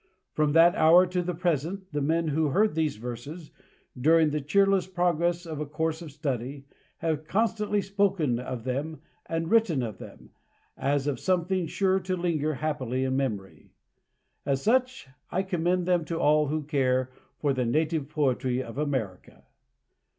From that hour to the present, the men who heard these verses, during the cheerless progress of a course of study, have constantly spoken of them and written of them, as of something sure to linger happily in memory. As such I commend them to all who care for the native poetry of America.